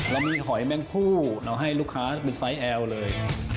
เรามีหอยแม่งคู่เราให้ลูกค้าเป็นไซส์แอลเลย